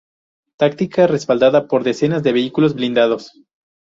Táctica respaldada por decenas de vehículos blindados